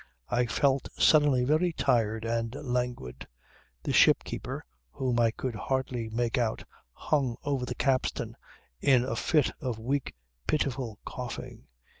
I felt suddenly very tired and languid. The ship keeper, whom I could hardly make out hung over the capstan in a fit of weak pitiful coughing.